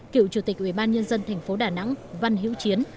cựu chủ tịch ubnd thành phố đà nẵng văn hiễu chiến